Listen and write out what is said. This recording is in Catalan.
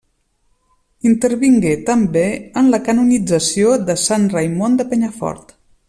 Intervingué també en la canonització de Sant Raimon de Penyafort.